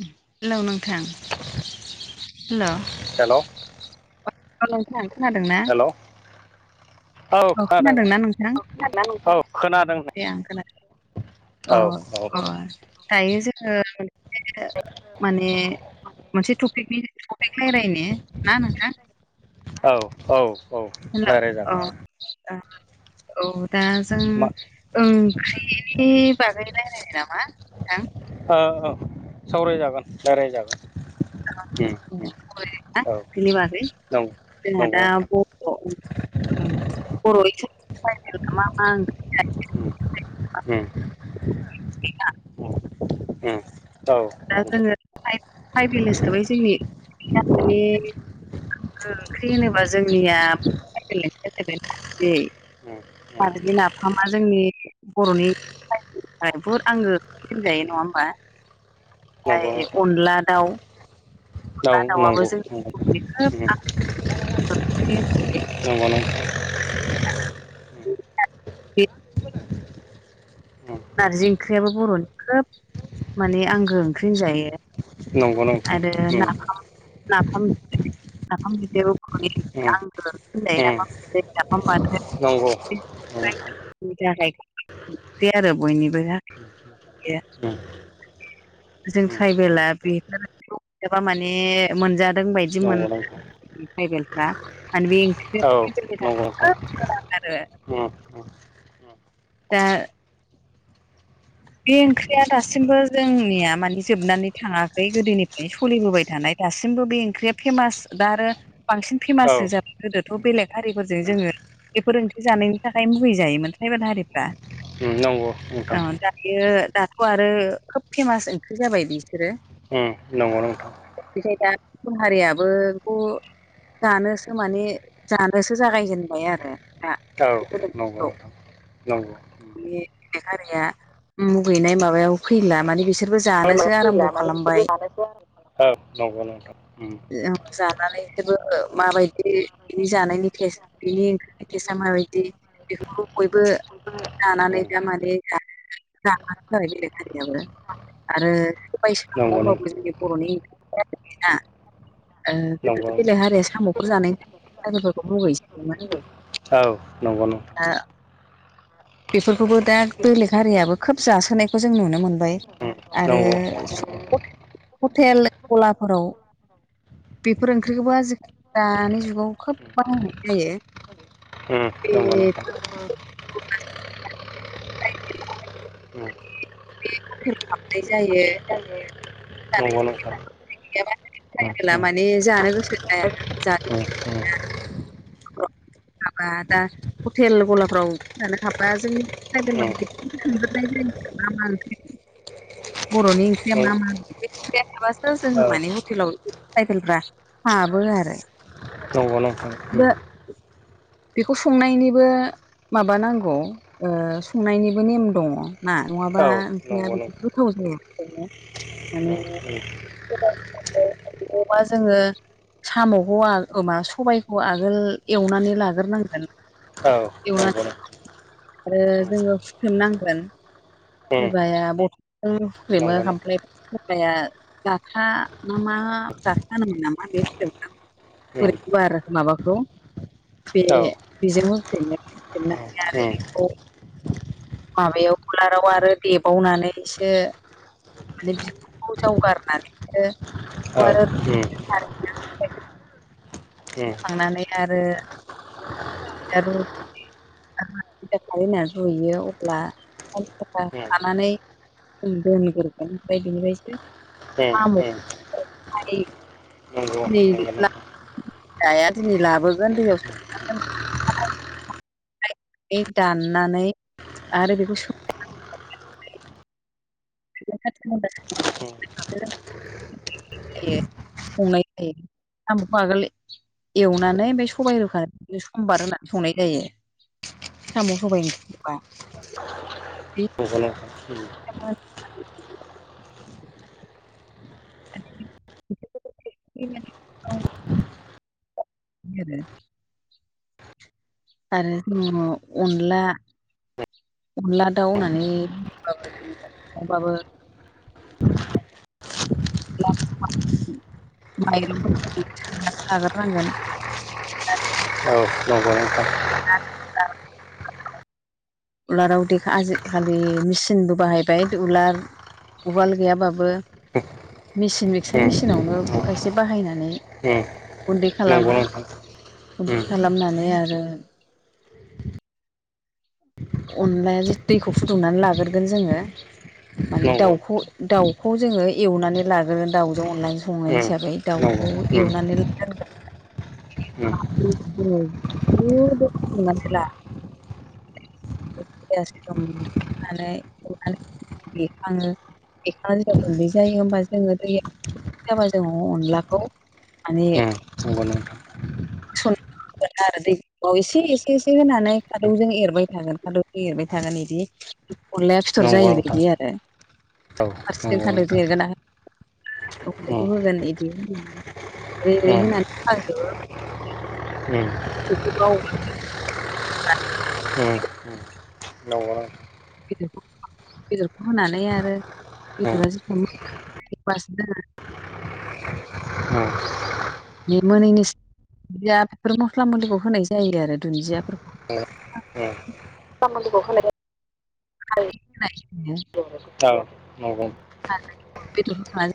[unintelligible] Hello नोंथां hello hello अ नोंथां खोनादों ना? औ हेल' औ औ खोनादों दे खोनादोंना नोंथां? औ खोनादों ना नोंथां? औ खोनादों दे आं खोनादों अ अ दायो जोङो [unintelligible] माने मोनसे टपिकनि टपिक रायलायनि ना नोंथां? औ औ औ लायराय जागोन दे ओ औ दा जों मा ओंख्रि नि नि बागै रायलायनो नामा? नोंथां? ओ औ सावराय जागोन लायराय जागोन। उम [unintelligible] बिनि बागै जोंहा दा उम ब [unintelligible] बर'नि मा मा उम औ उम औ नंगौ। थाय थाइबेल हिसाबै जोंनि गामिनि [unintelligible] ओंख्रि होनोबा जोंनि ओ नारजि नाफामा जोंनि बर'नि थाय [unintelligible] दोनजायो नङा होमबा? नंगौ ओमफाय अनला दाउ अनला दावआबो नंगौ नोंथां जोंनि बर'नि उम खोब आंगो ओंख्रि [unintelligible] नंगौ नोंथ [unintelligible] बे उम नारजि ओंख्रियाबो बर'नि खोब माने आंगो ओंख्रि होनजायो। नंगौ नोंथां आरो औ नंगौ उम नाफाम नाफाम नाफाम बिदैयाव बर'नि नंगौ नोंथां उम नंगौ नोंथां उम आंगो होननाय उम नाफाम बाथोन नंगौ [unintelligible] उम नि थाखाय आरो बयनिबो हा गैया उम उम जों उम ट्राइबेला बेफोरखौ एबा माने मोनजादों बायदि मोन नंगौ नोंथां ट्राइबेलफ्रा मान बे औ ओंख्रिया ट्राइबेलनि थाख नंगौ नोंथां खोब गोनां आरो उम उम दा बे ओंख्रिया दासिमबो जोंनिया माने जोबनानै थाङाखै गोदोनिफ्रायनो सलिबोबाय थानाय दासिमबो बे ओंख्रिया फेमास दा आरो बांसिन औ फेमाससो जाबाय गोदोथ' बेलेग हारिफोरजों उम जोङो बेफोर ओंख्रि जानायनि थाखाय मुगै जायोमोन ट्राइबेल हारिफ्रा उम नंगौ नोंथां औ दा बेयो दाथ' आरो खोब फेमास ओंख्रि जाबाय बिसोरो उम नंगौ नोंथां। ओ बेखाय दा गुबुन हारियाबो खु जानोसो माने जानोसो जागायजेनबाय आरो दा औ नंगौ नोंथां नंगौ। माने बेलेग हारिया मुगैनाय माबायाव फैला माने बिसोरबो जानोस फैला माने बिसोरबो जानायखौ आराम खालामनो [unintelligible] औ नंगौ नोंथां उम ओ जानानैसोबो ओ माबायदि बिनि जानायनि टेस्ट बिनि ए टेसा माबायदि बेखौ बयबो उम लानानै उम दा माने दा [unintelligible] बेलेग हारियाबो आरो नंगौ नों जोंनि बर'नि [unintelligible] ओ नंगौ गोदोथ' नोंथां बेलेग हारिया साम' अर जानायनि ट्राइबेलफोरखौ मुगैयोसोमोन। औ नंगौ नोंथां ओ बेफोरखौबो दा बेलेग हारियाबो खोब जासोनायखौ जों नुनो मोनबाय उम आरो नंगौ [unintelligible] हटेल गलाफोराव बेफोर ओंख्रिखौबो आजिखालि दानि जुगाव खोब बाहायनाय जायो। ओम नंगौ नोंथां उम बे हटेलाव हाबनाय जायो। नंगौ नोंथां उम [unintelligible] उम माने जानो गोसो जाया जानो [unintelligible] माबा दा हटेल गलाफ्राव ओंखाम जानो हाबबा जोंनि [unintelligible] मा मा ओंख्रि बर'नि ओंख्रिया उम मा मा बे ओंख्रिया थाबासो जों औ माने हटेलाव ट्राइबेलफ्रा हाबो आरो नंगौ नोंथां उम दा बेखौ संनायनिबो माबा नांगौ। ओ संनायनिबो नेम दङ' ना औ नङाबा ओंख्रिया बे गोथाव जाया [unintelligible] माने औ [unintelligible] जोङो साम'खौ आल ओ मा सबायखौ आगोल एवनानै लागोन गोरनांगोन औ नंगौ नंगौ एवनानै आरो जोङो फुख्रेम नांगोन। उम सोरबाया बथलजों फुख्रेमो नंगौ नंगौ खामफ्लायाव सोरबाया जाथा ना मा जाथा होनोमोन नामा [unintelligible] उम बोरै गुवार माबाखौ बे औ बेजों हुख्रेमो हुख्रेमनानै आरो उम बेखौ माबायाव कुलाराव आरो देबावनानैसो माने बिखखौ जावगारनानै औ उम आरो उम खांनानै आरो [unintelligible] खा होननानै रुयो अब्ला उम खानानै [unintelligible] नंगौ नंगौ नंगौ [unintelligible] जाया दिनै लाबोगोन दैयाव [unintelligible] [unintelligible] दाननानै आरो बेखौ [unintelligible] [unintelligible] [unintelligible] जायो। साम'खौ आगोल एवनानै ओमफ्राय सबाइ रुखा बिनो समबार होनानै संनाय जायो। साम' सबाय ओंख्रि [unintelligible] [unintelligible] [unintelligible] [unintelligible] आरो जोङो अनला अनला दाउ होननानैबाबो [unintelligible] [unintelligible] लाग्रोनांगोन। औ नंगौ नोंथां आ [unintelligible] उलाराव देखा आजिखालि मेचिनबो बाहायबाय दु उलार उवाल गैयाबाबो मेसिन मिक्सार मेसिनावनो खायसे बाहायनानै नंगौ गुन्दै खालामो नोंथां गुन्दै उम खालामनानै आरो- अनलाया दैखौ फुदुंनानै लाग्रोगोन जोङो माने दाउखौ दाउखौ जोङो एवनानै लाग्रोन दाउजों अनलाजों संनाय हिसाबै दाउखौ एवनानै लाग [unintelligible] [unintelligible] बेखाङो [unintelligible] गुन्दै जायो होमबा जोङो दै जोंङो अनलाखौ माने नंगौ नोंथां। [unintelligible] इसे एसे एसे होनानै खादौजों एरबाय थागोन खादौजों एरबाय थागोन बिदि अनलाया फिथर जायबायायदि आरो औ फारसेथिं नंगौ खानद' नोंथां बेखौ होगोन बिदि होनानै उम [unintelligible] [unintelligible] [unintelligible] [unintelligible] न'आव बे बेदरखौ होनानै आरो नोंथां उम बेदरा [unintelligible] [unintelligible] बे मोनैनि [unintelligible] मस्ला मुलिखौ होनाय जायो आरो दुन्दियाफोरखौ [unintelligible] [unintelligible] [unintelligible] औ नंगौ [unintelligible] बेदर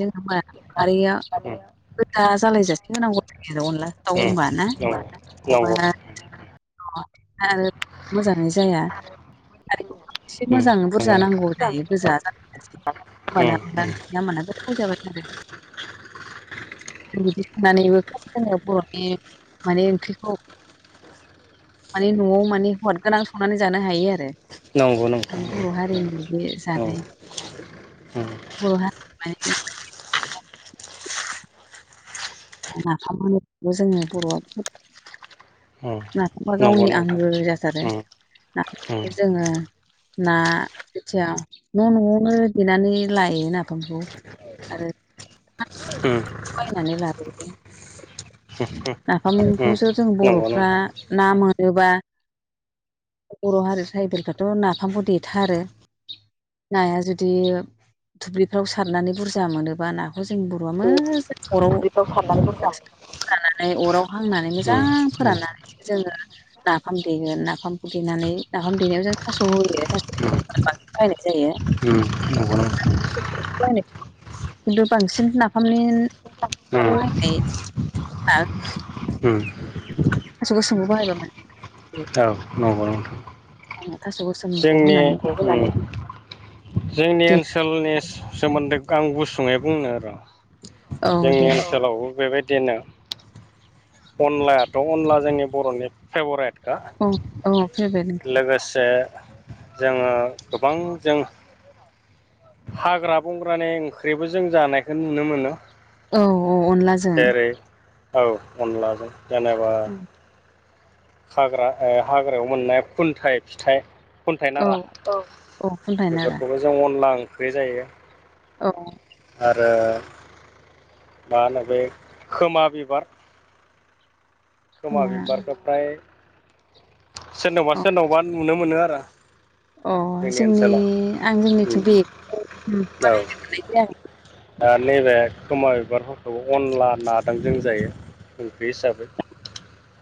जोंहा खारिया। उम गोजा जालाय जासे होनांगौ आरो अनला दाउ उम होनबा ना माबा नंगौ [unintelligible] मोजाङै जाया उम नंगौ नोंथां। दायो गोजा जै होनोमबाना अनला ओंख्रिया गोथाव जाबाय आरो। बिदि संनानैबो खब समयाव बर'नि माने ओंख्रिखौ माने न'आव माने हदगोनां संनानै जानो हायो आरो। नंगौ नोंथां माने बर' हारिनि बे औ जानाय उम बर' हारिनि माने ओंख्रिखौ नाफामोबो जोङो बर'आ उम नाफामा नंगौ गावनि नोंथां आंगो जाथारो उम नाफामखौ उम जोङो ना जेथिया न' न'आवनो देनानै लायो नाफामखौ आरो उम बायनानै लाबोयो उम नाफामखौसो जों नंगौ बर'फ्रा नोंथां ना मोनोबा बर' हारि ट्राइबेलफ्राथ' नाफामखौ देथारो। नाया जुदि दुब्लिफ्राव सारनानै बुरजा मोनोबा नाखौ जोंनि बर'आ मोजां अराव दुब्लिफ्राव सारनानै बुरजा [unintelligible] अराव हांनानै मोजां उम उम फोराननानै जोङो नाफाम देगोन नाफामखौ देनानै नाफाम देनायाव जों थास' होयो थास [unintelligible] औ [unintelligible] बायनाय खिन्थु बांसिन नाफामनि बाहायनाय [unintelligible] औ नंगौ नोंथां। थास' गोसोमखौ जोंनि होनानै उम जोंनि दे ओनसोलनि सो-सोमोन्दै आं गुसुङै बुंनो र औ दे जोंनि ओनसोलावबो बेबायदिनो अनलायाथ' अनला जोंनि बर'नि फेभरेट औ औ फैबाय नोंखौ लोगोसे जोङो गोबां जों हाग्रा बंग्रानि ओंख्रिबो जों जानायखो नुनो मोनो। औ औ अनलाजो जेरै औ अनलाजों जेनेबा हाग्रा ओ हाग्रायाव मोननाय खुन्थाइ फिथाइ खुन्थाइ नारा औ औ खुन्थाइ नारा बेफोरखौबो जों अनला ओंख्रि जायो। औ आरो मा होनो बे खोमा बिबार खोमा बिबारखो प्राय सोरनावबा औ सोरनावबा नुनो मोनो आरो। अ जोंनि आं जोंनिथि ओनसोलाव बेगखौ औ बाहायनो मोननाय [unintelligible] दा नैबे खोमा बिबार फोरखौ अनला नादों जों जायो ओंख्रि हिसाबै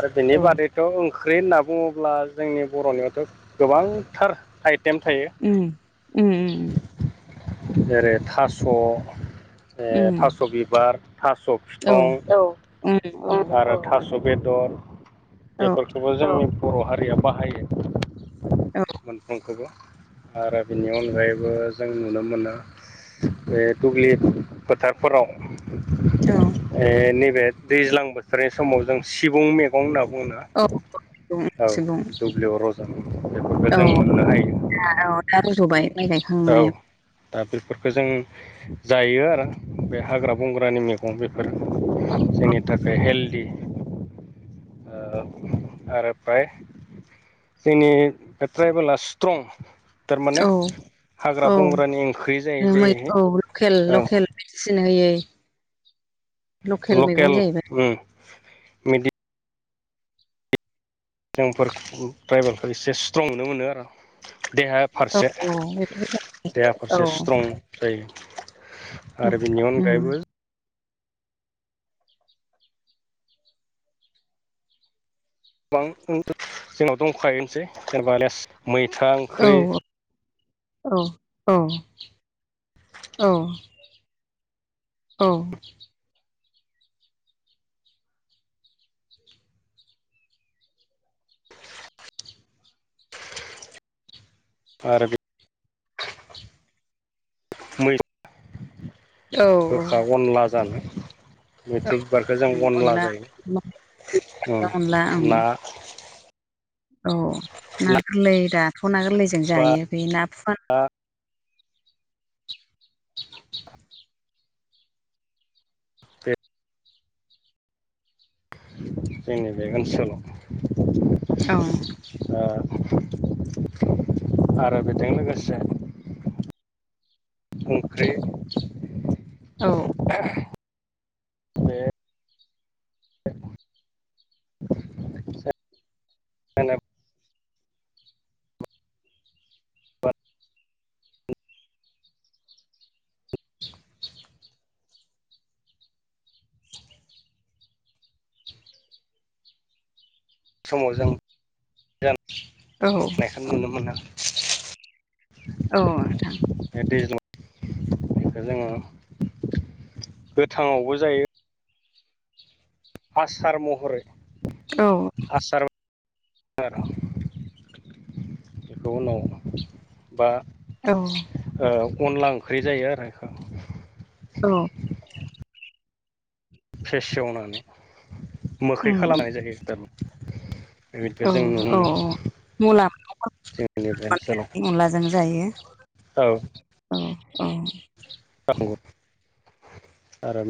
आरो औ बेनिबादै गाव ओंख्रि होनना बुङोब्ला जोंनि बर'नियावथ' गोबांथार आइटेम थायो। उम उम उम जेरै थास' ओ उम थास' बिबार थास' औ फिथं औ आरो थास स बेदर बेफोरखौबो औ जोंनि बर' हारिया बाहायो। औ मोनथामखोबो। आरो बेनि अनगायैबो जों नुनो मोनो बे दुब्लि फोथारफोराव औ ओ नैबे दैज्लां बोथोरनि समाव जों सिबुं मैगं होनना बुङोना औ सुबुं औ सुबुं दुब्लियाव रजनाय बेफोरखौ जों मोननो हायो। आ औ दा उम रज'बाय माइ औ गायखांनायाव दा बेफोरखो जों जायो आरो बे हाग्रा बंग्रानि मैगं बे फोर जोंनि थाखाय हेल्दि ओ आरो प्राय जोंनि बे ट्राइबेला स्ट्रं थारमाने औ हाग्रा बंग्रानि ओंख्रि जायै जायैहै केल लकेल मेडिसिन होयै मैगं लकेल जाहैबाय उम मिडि जोंफोर ट्राइबेलफोर एसे स्ट्रं नुनो मोनो आरो। देहा औ फारसे देहा औ फारसे स्ट्रं जायो आरो बेनि उम अनगायैबो गोबां [unintelligible] जोंनाव दंखायोनोसै जेनेबा लेस मैथा ओंख्रि औ औ अ अ औ आरो बे मै गोखा औ अनला जानो मैथ्रु बिबारखो जों अनला जायो उम अनला ना औ ना गोरलै दाथ' ना गोरलैजों जायो बे ना फुवान दा बे जोंनि बे ओनसोलाव अ आ आरो बेजों लोगोसे [unintelligible] औ। [inaudible] बे [unintelligible] समाव जों [unintelligible] औ नायखौ नुनो मोनो औ नोंथां। दैज्लां बेखौ जोङो गोथाङावबो जायो। आसार महरै औ आसार बेखौ उन बा औ। ओ अनला ओंख्रि जायो आरो बेखौ। औ। फेसेवनानै मोखै उम उम खालामनाय जाहै थार औ औ औ मुला जोंनि बे [unintelligible] ओनसोलाव अनलाजों जायो औ। औ औ। औ आरो